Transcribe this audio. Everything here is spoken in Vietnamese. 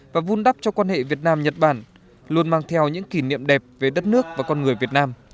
và vun đắp cho quan hệ việt nam nhật bản luôn mang theo những kỷ niệm đẹp về đất nước và con người việt nam